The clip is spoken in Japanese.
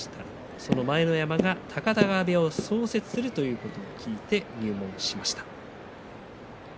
その前乃山が高田川部屋を創設するということで入門しました。